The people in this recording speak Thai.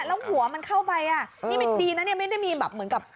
แล้วหัวมันเข้าไปอ่ะนี่มันดีนะเนี่ยไม่ได้มีแบบเหมือนกับ